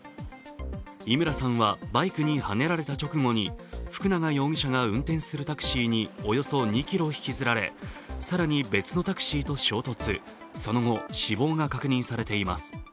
伊村さんはバイクにはねられた直後に福永容疑者が運転するタクシーにおよそ２ｋｍ引きずられ、その後死亡が確認されています。